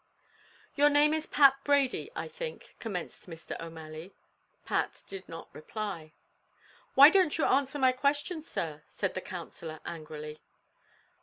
"Your name is Pat Brady, I think," commenced Mr. O'Malley. Pat did not reply. "Why don't you answer my question, sir?" said the counsellor angrily.